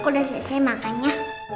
aku udah selesai makan ya